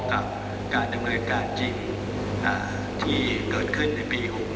กับการดำเนินการจริงที่เกิดขึ้นในปี๖๖